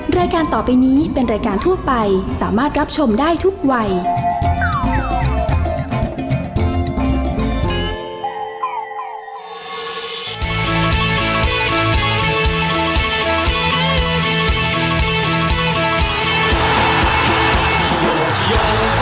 รายการต่อไปนี้เป็นรายการทั่วไปสามารถรับชมได้ทุกวัย